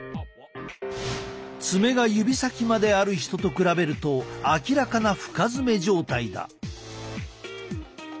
爪が指先まである人と比べると明らかな深爪状態だ。